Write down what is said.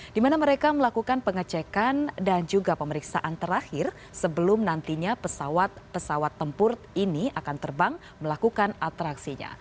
di mana mereka melakukan pengecekan dan juga pemeriksaan terakhir sebelum nantinya pesawat pesawat tempur ini akan terbang melakukan atraksinya